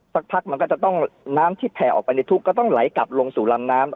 สักพักมันก็จะต้องน้ำที่แผ่ออกไปในทุกข์ก็ต้องไหลกลับลงสู่ลำน้ำ